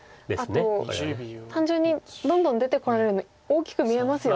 あと単純にどんどん出てこられるの大きく見えますよね。